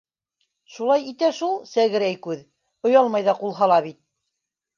— Шулай итә шул, сәгерәй күҙ, оялмай ҙа ҡул һала бит.